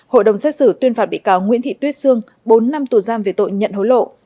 hội đồng xét xử tuyên phạt bị cáo nguyễn thị tuyết sương bốn năm tù giam về tội nhận hối lộ